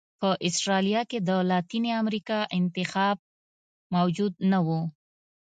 په اسټرالیا کې د لاتینې امریکا انتخاب موجود نه و.